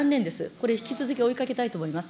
これ、引き続き追いかけたいと思います。